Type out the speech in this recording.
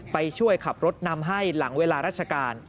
ไปช่วยขับรถนำให้หลังเวลาราชการ